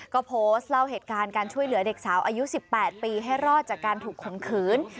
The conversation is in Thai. ก็โพสต์เล่าเหตุการณ์การช่วยเหลือเด็กสาวอายุ๑๘ปีให้รอดจากการถูกข่มขืน